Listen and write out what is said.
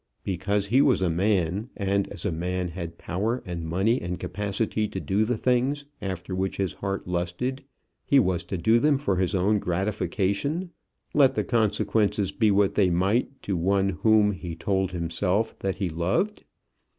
Because he was a man, and as a man had power and money and capacity to do the things after which his heart lusted, he was to do them for his own gratification, let the consequences be what they might to one whom he told himself that he loved!